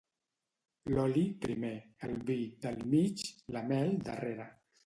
L'oli, primer; el vi, del mig; la mel, darrere.